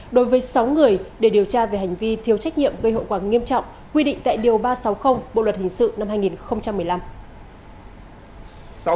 đối với sáu người để điều tra về hành vi thiếu trách nhiệm gây hậu quả nghiêm trọng quy định tại điều ba trăm sáu mươi bộ luật hình sự năm hai nghìn một mươi năm